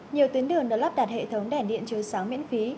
nhiều tuyến đường đã lắp đặt hệ thống đèn điện chiếu sáng miễn phí